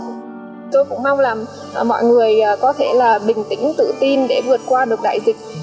tôi cũng mong là mọi người có thể là bình tĩnh tự tin để vượt qua được đại dịch